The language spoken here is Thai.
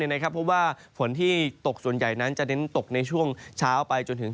เพราะว่าฝนที่ตกส่วนใหญ่นั้นจะเน้นตกในช่วงเช้าไปจนถึง